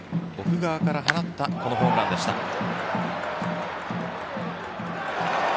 奥川から放ったこのホームランでした。